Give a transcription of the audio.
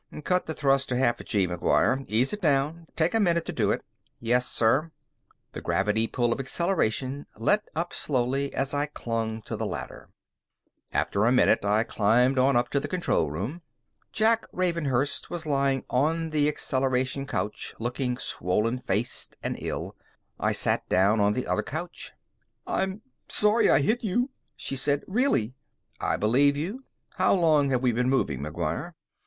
"Cut the thrust to half a gee, McGuire. Ease it down. Take a minute to do it." "Yes, sir." The gravity pull of acceleration let up slowly as I clung to the ladder. After a minute, I climbed on up to the control room. Jack Ravenhurst was lying on the acceleration couch, looking swollen faced and ill. I sat down on the other couch. "I'm sorry I hit you," she said. "Really." "I believe you. How long have we been moving, McGuire?"